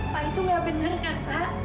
pak itu gak bener kan pak